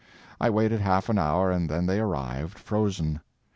I waited half an hour and then they arrived, frozen.